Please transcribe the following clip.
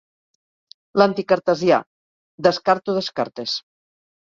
L'anticartesià: —Descarto Descartes.